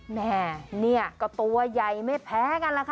แม่เนี่ยก็ตัวใหญ่ไม่แพ้กันล่ะค่ะ